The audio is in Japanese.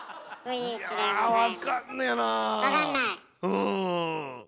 うん。